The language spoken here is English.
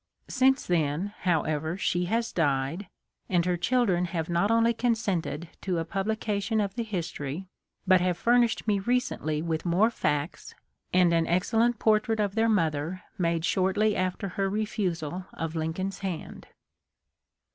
Since then, how ever, she has died, and her children have not only consented to a publication of the history, but have furnished me recently with more facts and an ex cellent portrait of their mother made shortly after her refusal of Lincoln's hand.